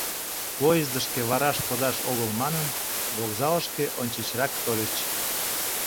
Поездышке вараш кодаш огыл манын, вокзалышке ончычрак тольыч.